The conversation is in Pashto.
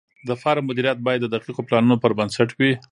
د فارم مدیریت باید د دقیقو پلانونو پر بنسټ وي.